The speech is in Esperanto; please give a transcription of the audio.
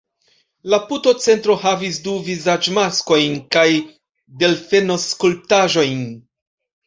La putocentro havis du vizaĝmaskojn kaj delfenoskulptaĵojn.